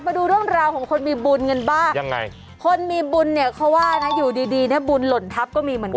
มาดูเรื่องราวของคนมีบุญกันบ้างยังไงคนมีบุญเนี่ยเขาว่านะอยู่ดีดีเนี่ยบุญหล่นทัพก็มีเหมือนกัน